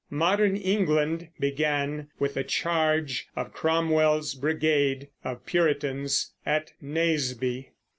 Modern England began with the charge of Cromwell's brigade of Puritans at Naseby.